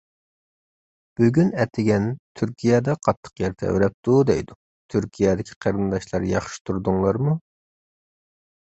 بۈگۈن ئەتىگەن تۈركىيەدە قاتتىق يەر تەۋرەپتۇ، دەيدۇ. تۈركىيەدىكى قېرىنداشلار، ياخشى تۇردۇڭلارمۇ؟